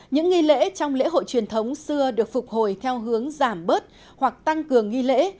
những nghi lễ trong lễ hội truyền thống xưa được phục hồi theo hướng giảm bớt hoặc tăng cường nghi lễ